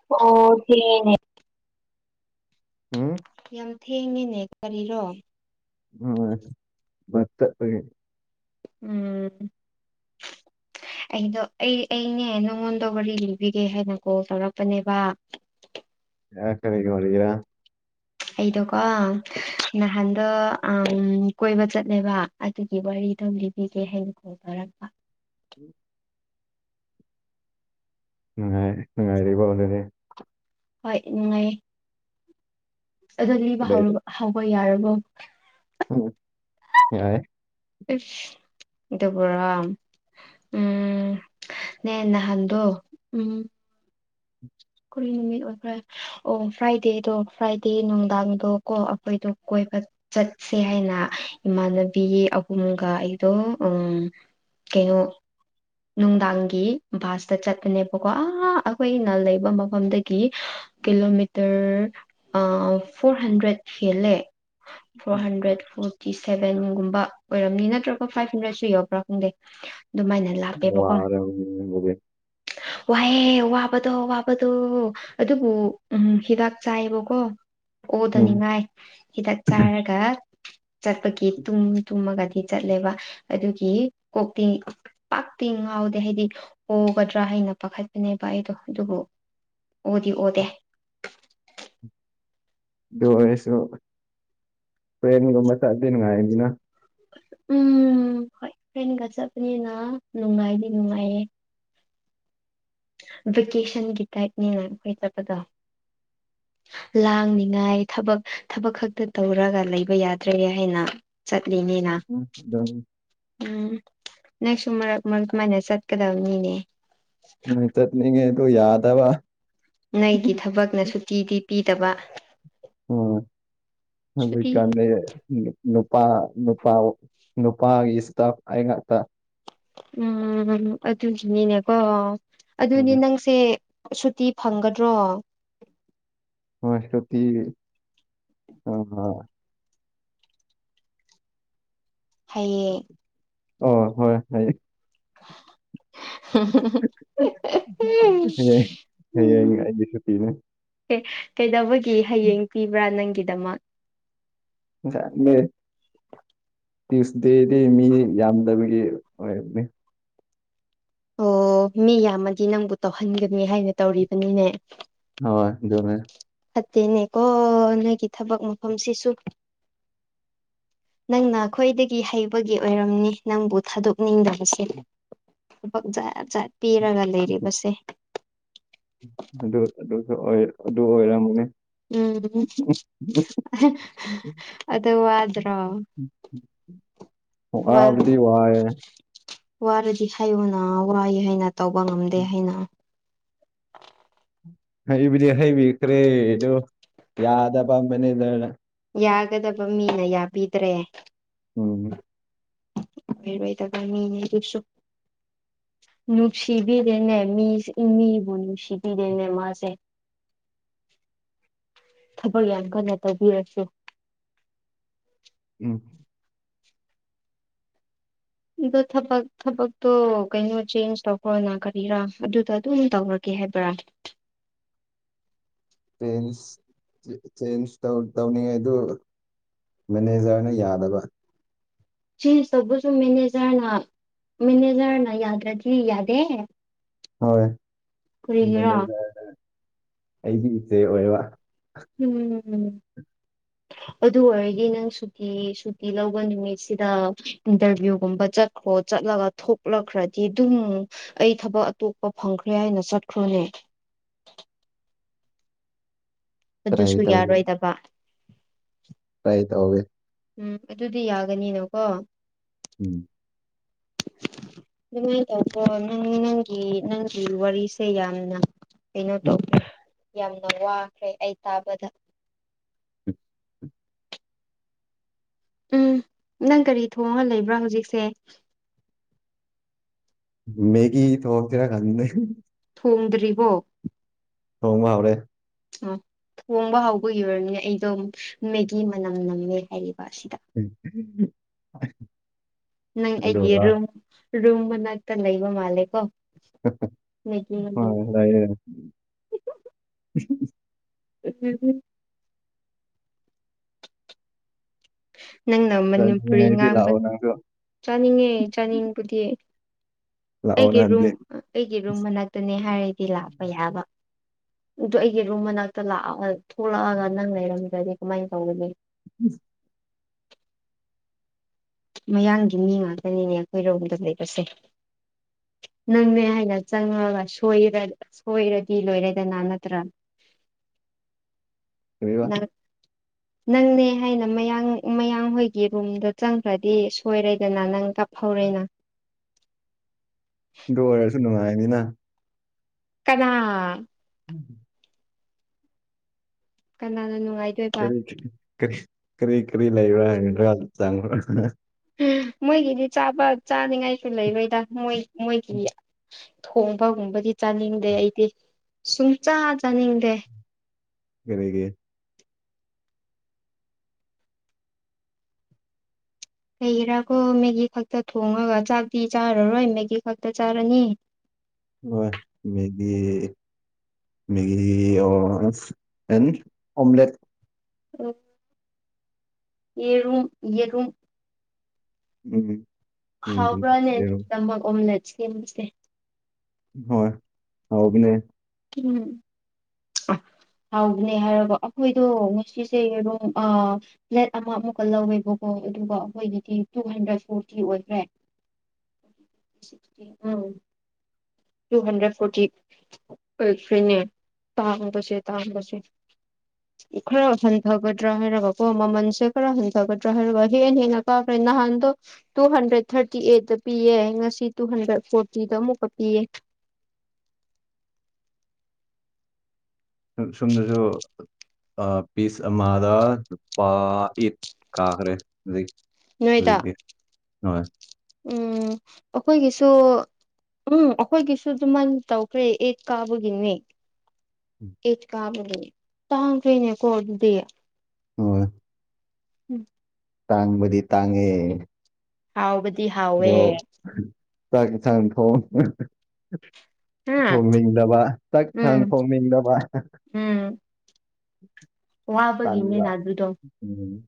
[unintelligible] ꯍꯨꯝ ꯌꯥꯝ ꯊꯦꯡꯉꯤꯅꯦ ꯀꯔꯤꯔꯣ [unintelligible] ꯎꯝ ꯑꯩꯗꯣ ꯑꯩ ꯑꯩꯅꯦ ꯅꯉꯣꯟꯗ ꯋꯥꯔꯤ ꯂꯤꯕꯤꯒꯦ ꯍꯩꯅ ꯀꯣꯜ ꯇꯧꯔꯛꯄꯅꯦꯕ [unintelligible] ꯑꯩꯗꯣꯀꯣ ꯅꯍꯥꯟꯗꯣ ꯑꯥꯝ ꯀꯣꯏꯕ ꯆꯠꯂꯦꯕ ꯑꯗꯨꯒꯤ ꯋꯥꯔꯤꯗꯣ ꯂꯤꯕꯤꯒꯦ ꯍꯩꯅ ꯀꯣꯜ ꯇꯧꯔꯛꯄ [inaudible] ꯅꯨꯡꯉꯥꯏ ꯅꯨꯡꯉꯥꯏꯔꯤꯕꯣ ꯑꯗꯨꯗꯤ ꯍꯣꯏ ꯅꯨꯡꯉꯥꯏꯌꯦ ꯑꯗꯣ ꯂꯤꯕ ꯀꯗꯥꯏꯗ ꯍꯧꯔꯕ ꯍꯧꯕ ꯌꯥꯔꯕꯣ ꯎꯝ ꯌꯥꯏꯌꯦ [unintelligible] ꯏꯐ ꯑꯗꯨꯕꯨꯔꯣ ꯎꯝ ꯅꯦ ꯅꯍꯥꯟꯗꯣ ꯎꯝ [inaudible] ꯀꯔꯤ ꯅꯨꯃꯤꯠ ꯑꯣꯏꯄ꯭ꯔꯥ ꯑꯣ ꯐ꯭ꯔꯥꯏꯗꯦꯗꯣ ꯐ꯭ꯔꯥꯏꯗꯦ ꯅꯨꯡꯗꯥꯡꯗꯣ ꯀꯣ ꯑꯩꯈꯣꯏꯗꯣ ꯀꯣꯏꯕ ꯆꯠꯁꯦ ꯍꯩꯅ ꯏꯃꯥꯟꯅꯕꯤ ꯑꯍꯨꯝꯒ ꯑꯩꯗꯣ ꯑꯪ ꯀꯩꯅꯣ ꯅꯨꯡꯗꯥꯡꯒꯤ ꯕꯥꯁꯇ ꯆꯠꯄꯅꯦꯕꯀꯣ ꯑꯥ ꯑꯩꯈꯣꯏꯅ ꯂꯩꯕ ꯃꯐꯝꯗꯒꯤ ꯀꯤꯂꯣꯃꯤꯇꯔ ꯑꯥ ꯐꯣꯔ ꯍꯟꯗ꯭ꯔꯦꯠ ꯍꯦꯜꯂꯦ ꯐꯣꯔ ꯍꯟꯗ꯭ꯔꯦꯠ ꯐꯣ ꯇꯤ ꯁꯚꯦꯟꯒꯨꯝꯕ ꯑꯣꯏꯔꯝꯅꯤ ꯅꯠꯇ꯭ꯔꯒ ꯐꯥꯏꯚ ꯍꯟꯗ꯭ꯔꯦꯠꯁꯨ ꯌꯧꯕ꯭ꯔꯥ ꯈꯪꯗꯦ ꯗꯨꯃꯥꯏꯅ ꯂꯥ [unintelligible] ꯋꯥꯌꯦ ꯋꯥꯕꯗꯣ ꯋꯥꯕꯗꯣ ꯑꯗꯨꯕꯨ ꯎꯝ ꯍꯤꯗꯥꯛ ꯆꯥꯌꯦꯕꯀꯣ ꯎꯝ ꯑꯣꯗꯅꯤꯡꯉꯥꯏ ꯍꯤꯗꯥꯛ ꯆꯥꯔꯒ ꯆꯠꯄꯒꯤ ꯇꯨꯝ ꯇꯨꯝꯃꯒꯗꯤ ꯆꯠꯂꯦꯕ ꯑꯗꯨꯒꯤ ꯀꯣꯛꯇꯤ ꯇꯤ ꯉꯥꯎꯗꯦ ꯍꯥꯏꯗꯤ ꯑꯣꯒꯗ꯭ꯔꯥ ꯍꯩꯅ ꯄꯥꯈꯠꯄꯅꯦꯕ ꯑꯩꯗꯣ ꯑꯗꯨꯕꯨ ꯑꯣꯗꯤ ꯑꯣꯗꯦ ꯗꯨ ꯑꯣꯏꯔꯁꯨ ꯇ꯭ꯔꯦꯟꯒꯨꯝꯕ ꯆꯠꯂꯗꯤ ꯅꯨꯡꯉꯥꯏꯗꯅ ꯎꯝ ꯍꯣꯏ ꯐ꯭ꯔꯦꯟꯒ ꯆꯠꯄꯅꯤꯅ ꯅꯨꯡꯉꯥꯏꯗꯤ ꯅꯨꯡꯉꯥꯏꯌꯦ ꯚꯦꯀꯦꯁꯟꯒꯤ ꯇꯥꯏꯞꯅꯦꯅ ꯑꯩꯈꯣꯏ ꯆꯠꯄꯗꯣ ꯂꯥꯡꯅꯤꯉꯥꯏ ꯊꯕꯛ ꯊꯕꯛ ꯈꯛꯇ ꯇꯧꯔꯒ ꯂꯩꯕ ꯌꯥꯗ꯭ꯔꯦ ꯍꯥꯏꯅ ꯆꯠꯂꯤꯅꯤꯅ ꯎꯝ ꯑꯗꯨꯝ ꯎꯝ ꯅꯪꯁꯨ ꯃꯔꯛ ꯃꯔꯛ ꯀꯃꯥꯏꯅ ꯆꯠꯀꯗꯝꯅꯤꯅꯦ ꯃꯣꯏ ꯆꯠꯅꯤꯡꯉꯦ ꯑꯗꯣ ꯌꯥꯗꯕꯥ ꯅꯩꯒꯤ ꯊꯕꯛꯅ ꯁꯨꯇꯤꯗꯤ ꯄꯤꯗꯕ ꯎꯨ ꯁꯨꯇꯤ [unintelligible] ꯅꯨꯄꯥ ꯅꯨꯄꯥ ꯅꯨꯄꯥꯒꯤ ꯏꯁꯇꯥꯞ ꯑꯩ ꯉꯥꯛꯇ ꯎꯝ ꯑꯗꯨꯒꯤꯅꯤꯅꯦꯀꯣ ꯑꯗꯨꯗꯤ ꯎꯝ ꯅꯪꯁ ꯁꯦ ꯁꯨꯇꯤ ꯐꯪꯒꯗ꯭ꯔꯣ ꯍꯣꯏ ꯁꯨꯇꯤ ꯑꯥ ꯍꯌꯦꯡ ꯑꯣ ꯍꯣꯏ ꯍꯩ ꯍꯥ ꯍꯥ ꯍ ꯑꯥ ꯑ ꯍꯌꯦ ꯍꯌꯦꯡ ꯑꯩꯗꯤ ꯁꯨꯇꯤꯅꯦ ꯑꯦ ꯀꯩꯗꯧꯕꯒꯤ ꯍꯌꯦꯡ ꯄꯤꯕ꯭ꯔꯥ ꯅꯪꯒꯤꯗꯃꯛ ꯖꯥꯠꯅꯦ ꯇ꯭ꯌꯨꯁꯗꯦꯗꯤ ꯃꯤ ꯌꯥꯝꯗꯕꯒꯤ ꯑꯣꯏꯔꯝꯅꯦ ꯑꯣ ꯃꯤ ꯌꯥꯝꯃꯗꯤ ꯅꯪꯕꯨ ꯇꯣꯍꯟꯒꯅꯤ ꯍꯥꯏꯅ ꯇꯧꯔꯤꯕꯅꯤꯅꯦ ꯍꯣꯏ ꯑꯗꯨꯃꯥꯅ ꯐꯠꯇꯦꯅꯦꯀꯣ ꯅꯣꯏꯒꯤ ꯊꯕꯛ ꯃꯐꯝꯁꯤꯁꯨ ꯅꯪꯅ ꯈꯣꯏꯗꯒꯤ ꯍꯩꯕꯒꯤ ꯑꯣꯏꯔꯝꯅꯤ ꯅꯪꯕꯨ ꯊꯥꯗꯣꯛꯅꯤꯡꯗꯕꯁꯦ ꯊꯕꯛ ꯖꯥ ꯖꯥꯠ ꯄꯤꯔꯒ ꯂꯩꯔꯤꯕꯁꯦ ꯑꯗꯨ ꯑꯗꯨꯁꯨ ꯑꯣꯏ ꯑꯗꯨ ꯑꯣꯏꯔꯝꯒꯅꯦ ꯎꯝ ꯑꯍꯦ ꯍꯥ ꯑꯗꯨ ꯋꯥꯗ꯭ꯔꯣ ꯋꯥ ꯋꯥꯕꯗꯤ ꯋꯥꯌꯦ ꯋꯥꯔꯗꯤ ꯍꯥꯏꯌꯣꯅ ꯋꯥꯏ ꯍꯥꯏꯅ ꯇꯧꯕ ꯉꯝꯗꯦ ꯍꯩꯅ ꯍꯩꯕꯨꯗꯤ ꯍꯩꯕꯤꯈ꯭ꯔꯦ ꯗꯣ ꯌꯥꯗꯕ ꯃꯥꯅꯦꯖꯔꯅ ꯌꯥꯒꯗꯕ ꯃꯤꯅ ꯌꯥꯕꯤꯗ꯭ꯔꯦ ꯎꯝ ꯔꯣꯏꯗꯕꯥ ꯃꯤꯅꯦ ꯗꯨꯁꯨ ꯅꯨꯡꯁꯤꯕꯤꯗꯦꯅꯦ ꯃꯤꯁ ꯃꯤꯕꯨ ꯅꯨꯡꯁꯤꯕꯤꯗꯦꯅꯦ ꯃꯥꯁꯦ ꯊꯕꯛ ꯌꯥꯝ ꯀꯟꯅ ꯇꯧꯕꯤꯔꯣꯏ [inaudible] ꯎꯝ ꯑꯗꯣ ꯊꯕꯛ ꯊꯕꯛꯇꯣ ꯀꯩꯅꯣ ꯆꯦꯟꯖ ꯇꯧꯈ꯭ꯔꯣꯅ ꯀꯔꯤꯔꯥ ꯑꯗꯨꯗ ꯑꯗꯨꯝ ꯇꯧꯔꯥ ꯀꯦ ꯍꯦꯕ꯭ꯔꯥ ꯇ꯭ꯔꯦꯟꯁ ꯆ ꯆꯦꯟꯁ ꯇꯧ ꯇꯧꯅꯤꯉꯥꯏꯗꯨ ꯃꯦꯅꯦꯖꯔꯅ ꯌꯥꯗꯕ ꯆꯦꯟꯁ ꯇꯧꯕꯁꯨ ꯃꯦꯅꯦꯖꯔꯅ ꯃꯦꯅꯦꯖꯔꯅ ꯌꯥꯗ꯭ꯔꯗꯤ ꯌꯥꯗꯦ ꯍꯣꯏ ꯀꯔꯤꯒꯤꯔꯥ ꯃꯦꯅꯦꯖꯔꯅ ꯑꯩꯒꯤ ꯏꯆꯦ ꯑꯣꯏꯕ ꯎꯝ ꯑꯗꯨ ꯑꯣꯏꯔꯗꯤ ꯅꯪ ꯁꯨꯇꯤ ꯁꯨꯇꯤ ꯂꯧꯕ ꯅꯨꯃꯤꯠꯁꯤꯗ ꯏꯟꯇꯔꯚ꯭ꯌꯨꯒꯨꯝꯕ ꯆꯠꯈ꯭ꯔꯣ ꯆꯠꯂꯒ ꯊꯣꯛꯂꯛꯈ꯭ꯔꯗꯤ ꯇꯨꯝ ꯑꯩ ꯊꯕꯛ ꯑꯇꯣꯞꯄ ꯐꯪꯈ꯭ꯔꯦ ꯍꯥꯏꯅ ꯆꯠꯈ꯭ꯔꯣꯅꯦ ꯇ꯭ꯔꯥꯏ ꯑꯗꯨꯁꯨ ꯇꯧꯒꯦ ꯌꯥꯔꯣꯏꯗꯕ ꯇ꯭ꯔꯥꯏ ꯇꯧꯒꯦ ꯎꯝ ꯑꯗꯨꯗꯤ ꯌꯥꯒꯅꯤꯅꯀꯣ ꯎꯝ [inaudible] ꯑꯗꯨꯃꯥꯏꯟ ꯇꯧꯈ꯭ꯔꯣ ꯅꯪ ꯅꯪꯒꯤ ꯅꯪꯒꯤ ꯋꯥꯔꯤꯁꯦ ꯌꯥꯝꯅ ꯀꯩꯅꯣ ꯇꯧ ꯌꯥꯝꯅ ꯋꯥꯈ꯭ꯔꯦ ꯑꯩ ꯇꯥꯕꯗ ꯎꯝ ꯅꯪ ꯀꯔꯤ ꯊꯣꯡꯉꯥ ꯂꯩꯕ꯭ꯔꯥ ꯍꯧꯖꯤꯛꯁꯦ ꯃꯦꯒꯤ ꯊꯣꯡꯁꯤꯔꯥ ꯈꯪꯗꯦ ꯊꯣꯡꯗ꯭ꯔꯤꯕꯣ ꯊꯣꯡꯕ ꯍꯧꯔꯦ ꯎꯝ ꯊꯣꯡꯕ ꯍꯧꯕꯒꯤ ꯑꯣꯏꯔꯝꯅꯤꯅꯦ ꯑꯩꯗꯣ ꯃꯦꯒꯤ ꯃꯅꯝ ꯅꯝꯃꯦ ꯍꯥꯏꯔꯤꯕ ꯑꯁꯤꯗ [inaudible] ꯅꯪ ꯑꯩꯒꯤ ꯑꯗꯨꯒ ꯔꯨꯝ ꯔꯨꯝ ꯃꯅꯥꯛꯇ ꯂꯩꯕ ꯃꯥꯜꯂꯦꯀꯣ ꯂꯩꯇꯦ ꯍꯣꯏ [unintelligible] ꯂꯩꯌꯦ [inaudible] [unintelligible] ꯅꯪꯅ ꯃꯅꯤꯄꯨꯔꯤ ꯆꯠꯅꯤꯡꯉꯥꯏꯗꯤ ꯉꯥꯡꯕ ꯂꯥꯛꯑꯣ ꯅꯪꯁꯨ ꯆꯥꯅꯤꯡꯉꯦ ꯆꯥꯅꯤꯡꯕꯨꯗꯤ ꯂꯥꯛꯑꯣ ꯑꯩꯒꯤ ꯔꯨꯝ ꯅꯍꯥꯟꯗꯤ ꯑꯩꯒꯤ ꯔꯨꯝ ꯃꯅꯥꯛꯇꯅꯦ ꯍꯥꯏꯔꯗꯤ ꯂꯥꯛꯄ ꯌꯥꯕ ꯑꯗꯣ ꯑꯩꯒꯤ ꯔꯨꯝ ꯃꯅꯥꯛꯇ ꯂꯥꯛꯑꯣ ꯍꯥꯏꯔ ꯊꯣꯛꯂꯛꯑꯒ ꯅꯪ ꯂꯩꯔꯝꯗ꯭ꯔꯗꯤ ꯀꯃꯥꯏꯟ ꯇꯧꯒꯅꯤ [inaudible] ꯃꯌꯥꯡꯒꯤ ꯃꯤ ꯉꯥꯛꯇꯅꯤꯅꯦ ꯑꯩꯈꯣꯏꯔꯣꯝꯗ ꯂꯩꯕꯁꯦ ꯅꯪꯅꯦ ꯍꯥꯏꯅ ꯆꯪꯉꯒ ꯁꯣꯏꯔ ꯁꯣꯏꯔꯗꯤ ꯂꯣꯏꯔꯦꯗꯅ ꯅꯠꯇ꯭ꯔꯥ ꯀꯔꯤꯕ ꯅꯪ ꯅꯪꯅꯦ ꯍꯥꯏꯅ ꯃꯌꯥꯡ ꯃꯌꯥꯡ ꯍꯣꯏꯒꯤ ꯔꯨꯝꯗ ꯆꯪꯈ꯭ꯔꯗꯤ ꯁꯣꯏꯔꯦꯗꯅ ꯅꯪ ꯀꯞꯍꯧꯔꯦꯅ ꯗꯨ ꯑꯣꯏꯔꯁꯨ ꯅꯨꯡꯉꯥꯏꯅꯤꯅ ꯀꯅꯥ [unintelligible] ꯀꯅꯥꯅ ꯅꯨꯡꯉꯥꯏ ꯀꯔꯤ ꯀꯔꯤ ꯀꯔꯤ ꯀꯔꯤ ꯂꯩꯔꯦ [unintelligible] ꯃꯣꯏꯒꯤꯗꯤ ꯆꯥꯕ ꯆꯥꯅꯤꯡꯉꯥꯏꯁꯨ ꯂꯩꯔꯣꯏꯗ ꯃꯣꯏ ꯃꯣꯏꯒꯤ ꯊꯣꯡꯕꯒꯨꯝꯕꯗꯤ ꯆꯥꯅꯤꯡꯗꯦ ꯑꯩꯗꯤ ꯁꯨꯡꯆꯥꯥ ꯆꯥꯅꯤꯡꯗꯦ ꯀꯔꯤꯒꯤ ꯀꯩꯒꯤꯔꯥꯀꯣ ꯃꯦꯒꯤ ꯈꯛꯇ ꯊꯣꯡꯔꯒ ꯆꯥꯛꯇꯤ ꯆꯥꯔꯔꯣꯏ ꯃꯦꯒꯤ ꯈꯛꯇ ꯆꯥꯔꯅꯤ ꯍꯣꯏ ꯃꯦꯒꯤ ꯃꯦꯒꯤ ꯑꯣꯔ ꯑꯦꯟ ꯑꯣꯝꯂꯦꯠ ꯌꯦꯔꯨꯝ ꯌꯦꯔꯨꯝ ꯎꯝ ꯌꯦꯔꯨꯝ ꯍꯥꯎꯕ꯭ꯔꯥꯅꯦ ꯌꯦꯔꯨꯝ ꯅꯪꯒꯤꯗꯃꯛ ꯑꯣꯝꯂꯦꯠ ꯁꯦꯝꯕꯁꯦ ꯍꯣꯏ ꯍꯥꯎꯕꯅꯦ ꯎꯝ ꯍꯥꯎꯕꯅꯦ ꯍꯥꯏꯒ ꯑꯈꯣꯏꯗꯣ ꯉꯁꯤꯁꯦ ꯌꯦꯔꯨꯝ ꯑꯥ ꯄ꯭ꯂꯦꯠ ꯑꯃ ꯑꯃꯨꯛꯀ ꯂꯧꯋꯦꯕꯀꯣ ꯑꯗꯨꯒ ꯑꯈꯣꯏꯒꯤꯗꯤ ꯇꯨ ꯍꯟꯗ꯭ꯔꯦꯠ ꯐꯣꯔꯇꯤ ꯑꯣꯏꯈ꯭ꯔꯦ [inaudible] ꯇꯨ ꯍꯟꯗ꯭ꯔꯦꯠ ꯐꯣꯔꯇꯤ ꯑꯣꯏꯈ꯭ꯔꯦꯅꯦ ꯇꯥꯡꯕꯁꯦ ꯇꯥꯡꯕꯁꯦ [inaudible] ꯈꯔ ꯍꯟꯊꯒꯗ꯭ꯔꯥ ꯍꯥꯏꯔꯒꯀꯣ ꯃꯃꯟꯁꯦ ꯈꯔ ꯍꯟꯊꯒꯗ꯭ꯔꯥ ꯍꯥꯏꯒ ꯍꯦꯟ ꯍꯦꯟꯅ ꯀꯥꯈ꯭ꯔꯦ ꯅꯍꯥꯟꯗꯣ ꯇꯨ ꯍꯟꯗ꯭ꯔꯦꯠ ꯊꯥꯔꯇꯤ ꯑꯩꯗꯠꯇ ꯄꯤꯌꯦ ꯉꯁꯤ ꯇꯨ ꯍꯟꯗ꯭ꯔꯦꯠ ꯐꯣꯔꯇꯤꯗ ꯑꯃꯨꯛꯀ ꯄꯤꯌꯦ ꯁꯣꯝꯗꯁꯨ ꯑꯥ ꯄꯤꯁ ꯑꯃꯥꯗ ꯅꯨꯄꯥ ꯑꯦꯠ ꯀꯥꯈ꯭ꯔꯦ ꯅꯣꯏꯗ ꯍꯧꯖꯤꯛꯇꯤ ꯍꯣꯏ ꯎꯝ ꯑꯈꯣꯏꯒꯤꯁꯨ ꯎꯝ ꯑꯈꯣꯏꯒꯤꯁꯨ ꯑꯗꯨꯃꯥꯏꯅ ꯇꯧꯈ꯭ꯔꯦ ꯑꯦꯠ ꯀꯥꯕꯒꯤꯅꯦ ꯑꯦꯠ ꯀꯥꯕꯒꯤ ꯇꯥꯡꯈ꯭ꯔꯦꯅꯦꯀꯣ ꯑꯗꯨꯗꯤ ꯍꯣꯏ ꯎꯝ ꯇꯥꯡꯕꯗꯤ ꯇꯥꯡꯉꯦ ꯍꯥꯎꯕꯗꯤ ꯍꯥꯎꯋꯦ ꯑꯗꯣ ꯆꯥꯛ ꯏꯟꯁꯥꯡ ꯊꯣꯡ ꯍꯥ ꯊꯣꯡꯅꯤꯡꯗꯕ ꯆꯥꯛ ꯏꯟꯁꯥꯡ ꯎꯝ ꯊꯣꯡꯅꯤꯡꯗꯕ [inaudible] ꯇꯟꯕ ꯋꯥꯕꯒꯤꯅꯦꯅꯥ ꯑꯗꯨꯗꯣ ꯎꯝ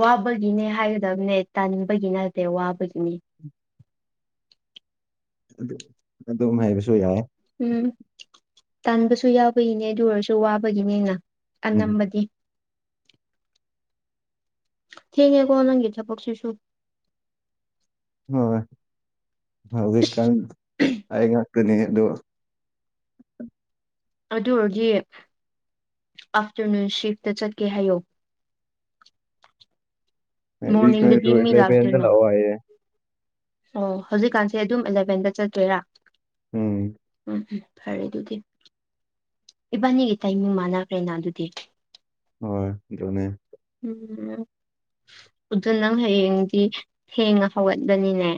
ꯋꯥꯕꯒꯤꯅꯦ ꯍꯥꯏꯒꯗꯕꯅꯦ ꯇꯟꯕꯒꯤ ꯅꯠꯇꯦ ꯋꯥꯕꯒꯤꯅꯦ ꯑꯗꯨ ꯑꯗꯨꯝ ꯍꯥꯏꯕꯁꯨ ꯌꯥꯏ ꯎꯝ ꯇꯟꯕꯁꯨ ꯌꯥꯎꯕꯒꯤꯅꯦ ꯑꯗꯨ ꯑꯣꯏꯔꯁꯨ ꯋꯥꯕꯒꯤꯅꯦꯅ ꯎꯝ ꯑꯅꯝꯕꯗꯤ ꯊꯦꯡꯉꯦꯀꯣ ꯅꯪꯒꯤ ꯊꯕꯛꯁꯤꯁꯨ ꯍꯣꯏ ꯍꯧꯖꯤꯛꯀꯥꯟ ꯑꯩ ꯉꯥꯛꯇꯅꯤ ꯑꯗꯨ ꯑꯗꯨ ꯑꯣꯏꯔꯗꯤ ꯑꯥꯐꯇꯔꯅꯨꯟ ꯁꯤꯐꯇ ꯆꯠꯀꯦ ꯍꯥꯏꯌꯣ ꯃꯣꯔꯅꯤꯡꯗꯗꯤ ꯃꯤ ꯑꯦꯜꯂꯚꯦꯟꯗ ꯂꯥꯛꯇꯣꯏꯅ ꯂꯥꯛꯑꯣ ꯍꯥꯏꯌꯦ ꯑꯣ ꯍꯧꯖꯤꯛꯀꯥꯟꯁꯦ ꯑꯗꯨꯝ ꯑꯦꯂꯚꯦꯟꯗ ꯆꯠꯇꯣꯏꯔꯥ ꯎꯝ ꯎꯝ ꯎꯝ ꯐꯔꯦ ꯑꯗꯨꯗꯤ ꯏꯕꯥꯅꯤꯒꯤ ꯇꯥꯏꯃꯤꯡ ꯃꯥꯟꯅꯈ꯭ꯔꯦꯅ ꯑꯗꯨꯗꯤ ꯍꯣꯏ ꯑꯗꯨꯅꯦ [unintelligible] ꯑꯗꯨ ꯅꯪ ꯍꯌꯦꯡꯗꯤ ꯊꯦꯡꯅ ꯍꯧꯒꯠꯂꯅꯤꯅꯦ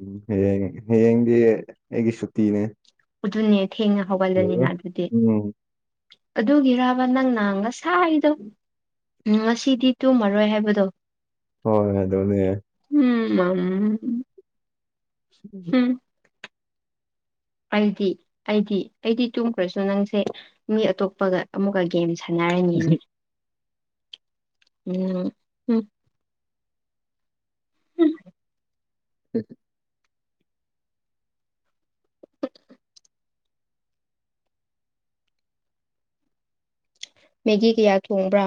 ꯎꯝ ꯍꯌꯦꯡ ꯍꯌꯦꯡꯗꯤ ꯑꯩꯒꯤ ꯁꯨꯇꯤꯅꯦ ꯑꯗꯨꯅꯦ ꯊꯦꯡꯅ ꯍꯧꯒꯠꯂꯅꯤꯅ ꯑꯗꯨꯗꯤ ꯎꯝ ꯑꯗꯨꯒꯤꯔꯕ ꯅꯪꯅ ꯉꯁꯥꯏꯗꯣ ꯎꯝ ꯉꯁꯤꯗꯤ ꯇꯨꯝꯃꯔꯣꯏ ꯍꯥꯏꯕꯗꯣ ꯍꯣꯏ ꯑꯗꯨꯅꯦ [unintelligible] ꯃꯝ [unintelligible] ꯑꯩꯗꯤ ꯑꯩꯗꯤ ꯑꯩꯗꯤ ꯇꯨꯝꯈ꯭ꯔꯁꯨ ꯅꯪꯁꯦ ꯃꯤ ꯑꯇꯣꯞꯄꯒ ꯑꯃꯨꯛꯀ ꯒꯦꯝꯁꯦ ꯁꯥꯟꯅꯔꯅꯤꯅꯦ ꯎꯝ [unintelligible] [unintelligible] [inaudible] ꯃꯦꯒꯤ ꯀꯌꯥ ꯊꯣꯡꯕ꯭ꯔꯥ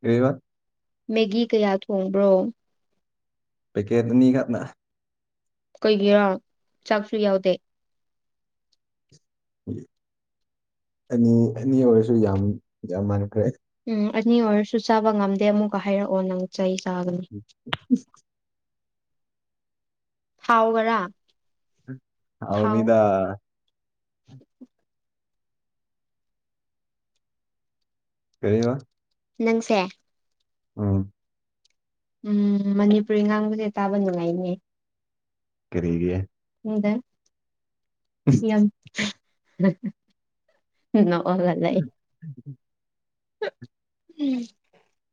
ꯀꯔꯤꯕ ꯃꯦꯒꯤ ꯀꯌꯥ ꯊꯣꯡꯕ꯭ꯔꯣ ꯄꯦꯀꯦꯠ ꯑꯅꯤ ꯈꯥꯛꯅ ꯀꯩꯒꯤ ꯆꯥꯛꯁꯨ ꯌꯥꯎꯗꯦ ꯑꯅꯤ ꯑꯅꯤ ꯑꯣꯏꯔꯁꯨ ꯌꯥꯝ ꯌꯥꯝ ꯌꯥꯃꯟꯈ꯭ꯔꯦ ꯎꯝ ꯑꯅꯤ ꯑꯣꯏꯔꯁꯨ ꯆꯥꯕ ꯉꯝꯗꯦ ꯑꯃꯨꯛꯀ ꯍꯥꯏꯔꯛꯑꯣ ꯅꯪ ꯆꯩ ꯆꯥꯒꯅꯤ [inaudible] ꯍꯥꯎꯕꯔꯥ ꯍꯥꯎꯅꯤꯗ ꯀꯔꯤꯕ ꯅꯪꯁꯦ ꯎꯝ ꯎꯝ ꯃꯅꯤꯄꯨꯔꯤ ꯉꯥꯡꯕꯖꯦ ꯇꯥꯕ ꯅꯨꯡꯉꯥꯏꯅꯦ ꯀꯔꯤꯒꯤ ꯈꯪꯗꯦ ꯌꯥꯝ [unintelligible] ꯅꯣ [inaudible]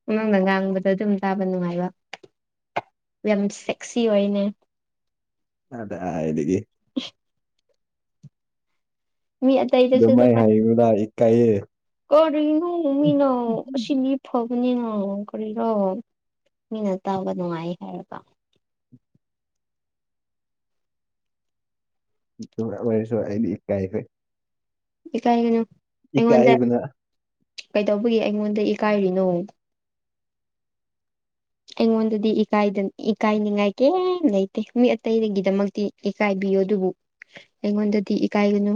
ꯎꯝ ꯅꯪꯅ ꯉꯥꯡꯕꯗ ꯑꯗꯨꯝ ꯇꯥꯕ ꯅꯨꯡꯉꯥꯏꯕ ꯌꯥꯝ ꯁꯦꯛꯁꯤ ꯑꯣꯏꯅꯦ ꯑꯗꯥꯏꯗꯒꯤ [inaudible] ꯃꯤ ꯑꯇꯩꯗꯁꯨ ꯑꯗꯨꯝ ꯑꯗꯨꯃꯥꯏ ꯍꯥꯏꯒꯅꯨꯗ ꯢꯀꯥꯏꯌꯦ ꯀꯔꯤꯅꯣ ꯃꯤꯅ [unintelligible] ꯐꯕꯅꯤꯅ ꯀꯔꯤꯔ ꯃꯤꯅ ꯇꯥꯕ ꯅꯨꯡꯉꯥꯏꯌꯦ ꯍꯥꯏꯔꯒ [unintelligible] ꯑꯣꯏꯔꯁꯨ ꯑꯩꯗꯤ ꯏꯀꯥꯏꯈ꯭ꯔꯦ ꯏꯀꯥꯏꯒꯅꯨ ꯑꯩꯉꯣꯟꯗ ꯏꯀꯥꯏꯕꯅ ꯀꯩꯗꯧꯕꯒꯤ ꯑꯩꯉꯣꯟꯗ ꯏꯀꯥꯏꯔꯤꯅꯣ ꯑꯩꯉꯣꯟꯗꯗꯤ ꯏꯀꯥꯏꯗ ꯏꯀꯥꯏꯅꯤꯡꯉꯥꯏ ꯀꯦꯝ ꯂꯩꯇꯦ ꯃꯤ ꯑꯇꯩꯒꯤꯗꯃꯛꯇꯤ ꯏꯀꯥꯏꯕꯤꯌꯨ ꯑꯗꯨꯕꯨ ꯑꯩꯉꯣꯟꯗꯗꯤ ꯏꯀꯥꯏꯒꯅꯨ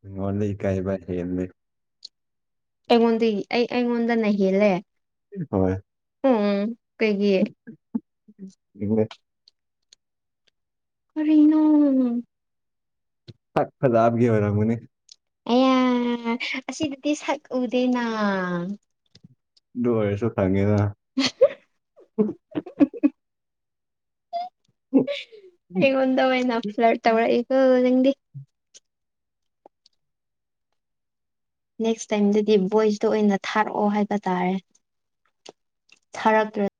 ꯅꯪꯉꯣꯟꯗ ꯏꯀꯥꯏꯕ ꯍꯦꯜꯂꯦ ꯑꯩꯉꯣꯟꯗꯒꯤ ꯑꯩ ꯑꯩꯉꯣꯟꯗꯅ ꯍꯦꯜꯂꯦ ꯍꯣꯏ [unintelligible] ꯀꯩꯒꯤ [inaudible] ꯀꯔꯤꯅꯣ ꯁꯛ ꯐꯖꯕꯒꯤ ꯑꯣꯢꯔꯝꯒꯅꯤ ꯑꯦ ꯑꯁꯤꯗꯗꯤ ꯁꯛ ꯎꯗꯦꯅ ꯑꯗꯨ ꯑꯣꯏꯔꯁꯨ ꯐꯪꯉꯦꯗ [inaudible] ꯑꯩꯉꯣꯟꯗ ꯑꯣꯢꯅ ꯐ꯭ꯂꯔꯠ ꯇꯧꯔꯛꯏꯀꯣ ꯅꯪꯗꯤ ꯅꯦꯛꯁ ꯇꯥꯏꯝꯗꯗꯤ ꯚꫭꯏꯁꯇ ꯑꯣꯏꯅ ꯊꯥꯔꯛꯑꯣ ꯍꯥꯏꯕ ꯇꯥꯔꯦ ꯊꯔꯛꯇ꯭ꯥꯔꯦ